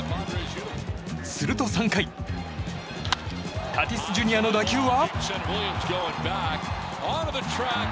すると３回タティス・ジュニアの打球は。